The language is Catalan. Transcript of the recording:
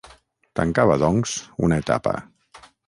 Tancava, doncs, una etapa.